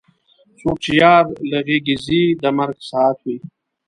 څوک چې یار له غېږې ځي د مرګ ساعت وي.